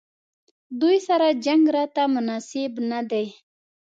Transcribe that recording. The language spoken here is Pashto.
دوی سره جنګ راته مناسب نه دی.